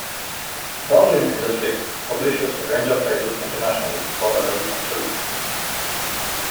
Dorling Kindersley publishes a range of titles internationally for adults and children.